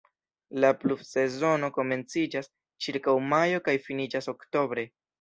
La pluvsezono komenciĝas ĉirkaŭ majo kaj finiĝas oktobre.